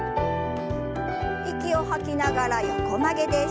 息を吐きながら横曲げです。